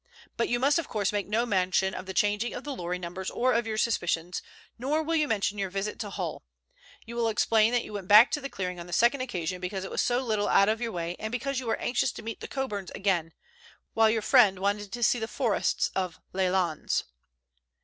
But you must of course make no mention of the changing of the lorry numbers or of your suspicions, nor will you mention your visit to Hull. You will explain that you went back to the clearing on the second occasion because it was so little out of your way and because you were anxious to meet the Coburns again, while your friend wanted to see the forests of Les Landes."